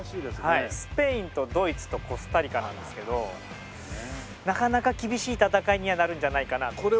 スペインとドイツとコスタリカなんですけどなかなか厳しい戦いにはなるんじゃないかなと思います。